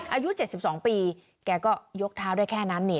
อายุเจ็ดสิบสองปีแกก็ยกเท้าได้แค่นั้นนี่